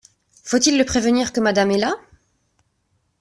Faut-il le prévenir que Madame est là ?